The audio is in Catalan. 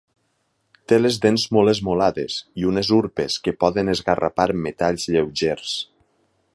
Té les dents molt esmolades i unes urpes que poden esgarrapar metalls lleugers.